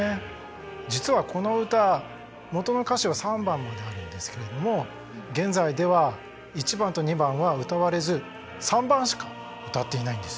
実はこの歌元の歌詞は３番まであるんですけれども現在では１番と２番は歌われず３番しか歌っていないんです。